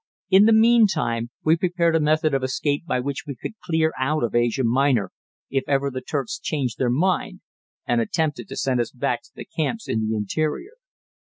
In the meantime we prepared a method of escape by which we could clear out of Asia Minor if ever the Turks changed their mind and attempted to send us back to camps in the interior.